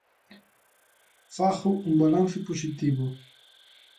Fago un balance positivo.